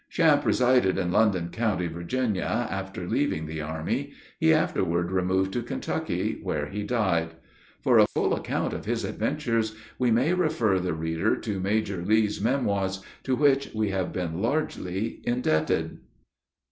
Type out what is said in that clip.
Champe resided in London county, Virginia, after leaving the army. He afterward removed to Kentucky, where he died. For a full account of his adventures, we may refer the reader to Major Lee's Memoirs, to which we have been largely indebted.